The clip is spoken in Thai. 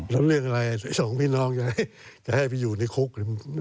แล้วเรื่องอะไรสองพี่น้องจะให้ไปอยู่ในคุก